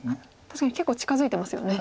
確かに結構近づいてますよね。